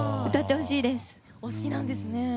お好きなんですね。